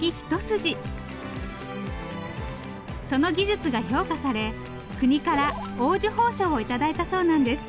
その技術が評価され国から黄綬褒章を頂いたそうなんです。